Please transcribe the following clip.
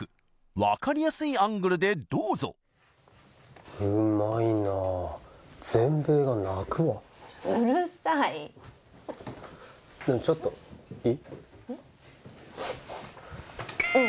分かりやすいアングルでどうぞうまいな全米が泣くわうるさいちょっといい？